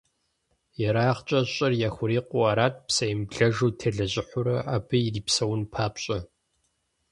ЕрагъкӀэ щӏыр яхурикъуу арат, псэемыблэжу телэжьыхьурэ абы ирипсэун папщӀэ.